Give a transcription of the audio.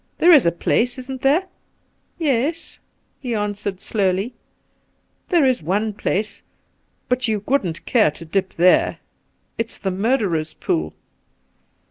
There is a place j isn't there V 'Yes,' he answered slowly, 'there is one place, but you wouldn't care to dip there. ... It's the Murderer's Pool.'